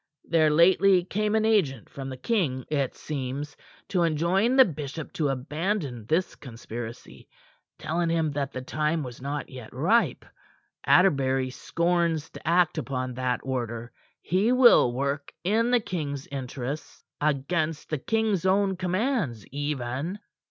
There lately came an agent from the king, it seems, to enjoin the bishop to abandon this conspiracy, telling him that the time was not yet ripe. Atterbury scorns to act upon that order. He will work in the king's interests against the king's own commands even."